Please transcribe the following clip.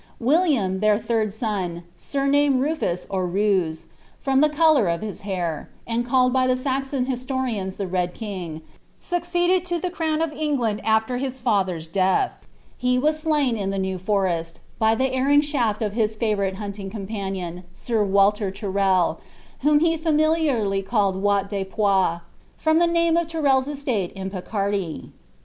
William, their third son, surnamed Rufus or Rous,' from the colour of Ills liair, and called by die Saxon historians the ^ Red King,'' succeeded to the crown of England after his father's death. He was slain in the New Forest, by the erring shafl of his favourite hunting companion, Sir Walter Tyrrel, whom he familiarly called Wat de Poix, from the name of Tyrrel's estate in Picardy.